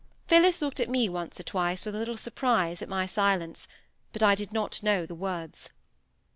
Phillis looked at me once or twice with a little surprise at my silence; but I did not know the words.